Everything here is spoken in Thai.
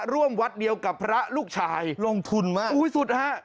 วัดเดียวกับพระลูกชายลงทุนมากอุ้ยสุดฮะ